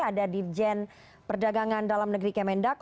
ada dirjen perdagangan dalam negeri kemendak